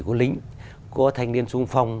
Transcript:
có lính có thanh niên trung phong